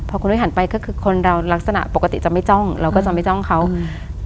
พอคนด้วยหันไปก็คือคนเราลักษณะปกติจะไม่จ้องเราก็จะไม่จ้องเขาอืม